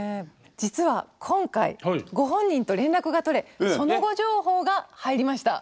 実は今回ご本人と連絡が取れその後情報が入りました。